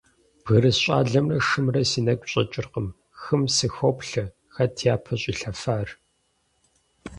Бгырыс щӀалэмрэ шымрэ си нэгу щӀэкӀыркъым, хым сыхоплъэ: хэт япэ щӀилъэфар?